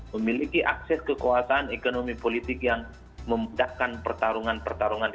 memiliki akses kekuasaan ekonomi politik yang memudahkan pertarungan pertarungan